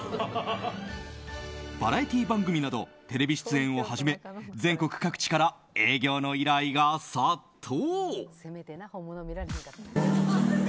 バラエティー番組などテレビ出演をはじめ全国各地から営業の依頼が殺到。